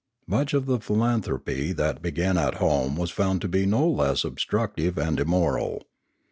Much of the philanthropy that began at home was found to be no less obstructive and immoral.